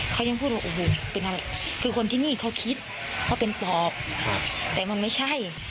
เขายังพูดว่าโอ้โหเป็นอะไรคือคนที่นี่เขาคิดว่าเป็นปอบแต่มันไม่ใช่